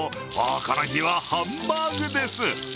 この日はハンバーグです。